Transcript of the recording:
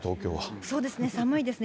そうですね、寒いですね。